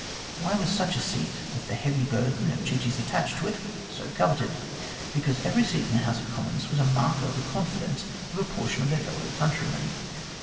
"Why was such a seat, with the heavy burden of duties attached to it, so coveted ? Because every seat in the House of Commons was a mark of the confidence of a portion of their fellow countrymen.